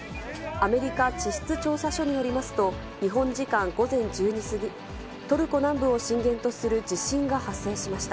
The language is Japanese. アメリカ地質調査所によりますと、日本時間午前１０時過ぎ、トルコ南部を震源とする地震が発生しました。